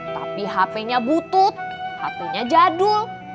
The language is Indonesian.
tapi hp nya butut hp nya jadul